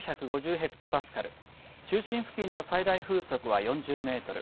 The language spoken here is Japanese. ヘクトパスカル中心付近の最大風速は４０メートル